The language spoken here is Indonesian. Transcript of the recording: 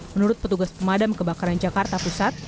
menurut petugas pemadam kebakaran jakarta pusat